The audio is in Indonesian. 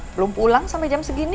belum pulang sampai jam segini